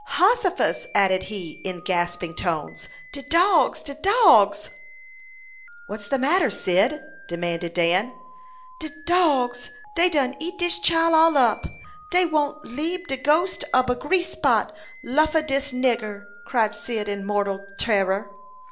"Hossifus!" added he, in gasping tones; "de dogs! de dogs!" "What's the matter, Cyd?" demanded Dan. "De dogs! Dey done eat dis chile all up! Dey won't leabe de ghost ob a grease spot luff of dis nigger!" cried Cyd, in mortal terror.